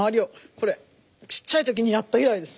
これちっちゃい時にやった以来です。